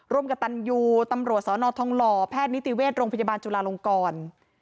ร่วมกับตันยูตำรวจสนทองหล่อแพทย์นิติเวชโรงพยาบาลจุลาลงกร